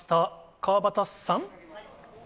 川畑さん。